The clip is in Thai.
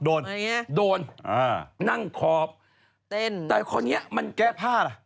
โดนโดนนั่งคอบแต่คนนี้มันแก้พ่าระ